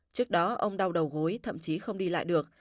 trước đó ông đau đầu gối thậm chí không đi lại được